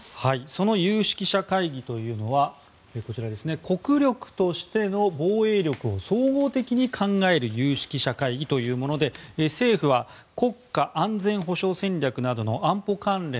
その有識者会議というのはこちら、国力としての防衛力を総合的に考える有識者会議というもので政府は国家安全保障戦略などの安保関連